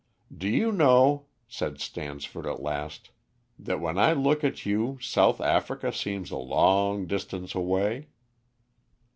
"Do you know," said Stansford at last, "that when I look at you South Africa seems a long distance away!"